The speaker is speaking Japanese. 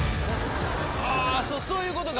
ああそういうことか。